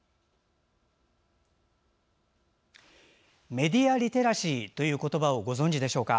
メディア・リテラシーという言葉ご存じでしょうか？